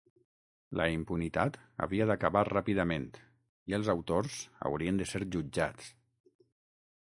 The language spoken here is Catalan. La impunitat havia d'acabar ràpidament i els autors haurien de ser jutjats.